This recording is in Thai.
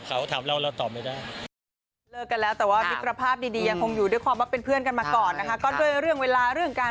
เขาไม่เคยพูดมาว่ามันเป็นอะไรกับกับเรา